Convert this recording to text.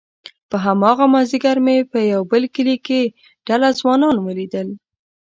په هماغه مازيګر مې په يوه بل کلي کې ډله ځوانان وليدل،